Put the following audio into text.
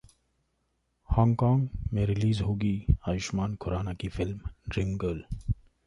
Hong Kong में release होगी आयुष्मान खुराना की फिल्म ड्रीम गर्ल